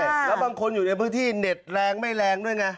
แล้วบางคนอยู่ในพื้นที่เน็ตแรงไม่แรงด้วยไง